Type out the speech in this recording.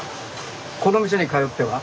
この店に通っては？